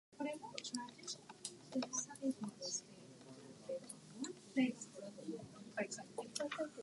Throughout the Hussite War cultivation and foundations came to a halt.